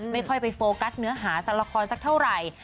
ไม่ค่อยไปโฟกัสเนื้อหาละครสักเท่าไหร่